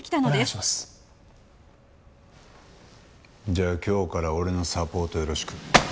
じゃあ今日から俺のサポートよろしく。